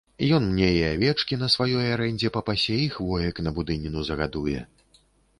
Ён мне і авечкі на сваёй арэндзе папасе, і хвоек на будыніну загадуе.